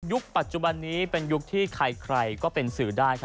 ปัจจุบันนี้เป็นยุคที่ใครก็เป็นสื่อได้